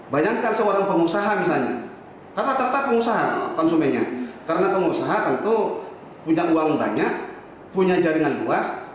bayangkan seorang pengusaha misalnya karena ternyata pengusaha konsumennya karena pengusaha tentu punya uang banyak punya jaringan luas